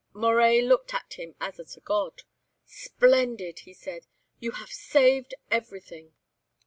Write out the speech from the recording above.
Moret looked at him as at a god. "Splendid!" he said. "You have saved everything."